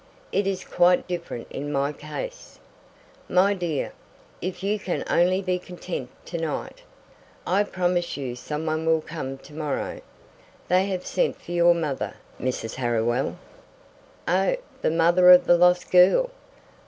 It is quite different in my case!" "My dear, if you can only be content to night, I promise you some one will come to morrow. They have sent for your mother Mrs. Harriwell." "Oh, the mother of the lost girl?